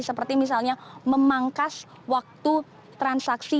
seperti misalnya memangkas waktu transaksi